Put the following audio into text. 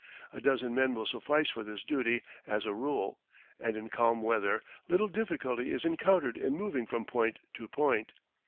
A dozen men will suffice for this duty as a rule, and in calm weather little difficulty is encountered in moving from point to point.